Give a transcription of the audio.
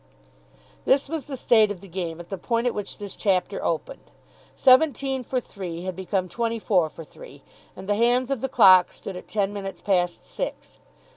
This was the state of the game at the point at which this chapter opened. Seventeen for three had become twenty four for three, and the hands of the clock stood at ten minutes past six.